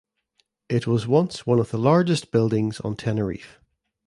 It was once one of the largest buildings on Tenerife.